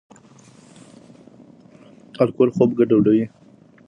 الکول خوب ګډوډوي.